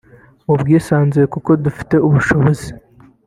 mu bwisanzure kuko dufite ubushobozi”